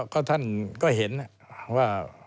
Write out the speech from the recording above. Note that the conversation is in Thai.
ก็ท่านก็เห็นว่า